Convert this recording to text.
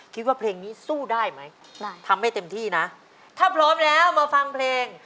คิดว่าเพลงนี้สู้ได้ไหมได้ทำให้เต็มที่นะถ้าพร้อมแล้วมาฟังเพลง